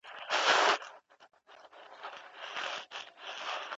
په قلم خط لیکل د ټولني پر افکارو اغیز کولای سي.